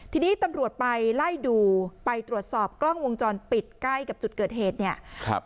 ทีนี้ตำรวจไปไล่ดูไปตรวจสอบกล้องวงจรปิดใกล้กับจุดเกิดเหตุเนี่ยครับ